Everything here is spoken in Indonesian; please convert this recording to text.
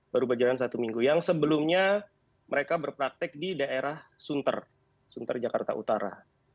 baru berjalan satu minggu yang sebelumnya mereka berpraktek di daerah sunter sunter jakarta utara